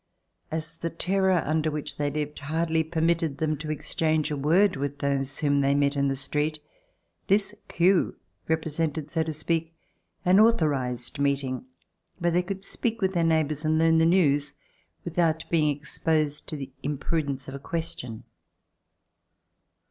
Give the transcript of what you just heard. As the terror under which they lived hardly permitted them to exchange a word with those whom they met in the street, this "queue" represented, so to speak, an authorized meeting where they could speak with their neighbors and learn the news with out being exposed to the imprudence of a question.